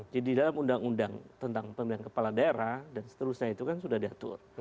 jadi dalam undang undang tentang pemilihan kepala daerah dan seterusnya itu kan sudah diatur